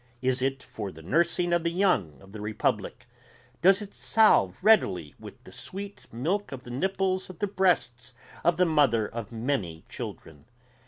Is it for the nursing of the young of the republic? Does it solve readily with the sweet milk of the nipples of the breasts of the mother of many children?